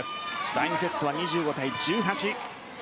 第２セットは２５対１８。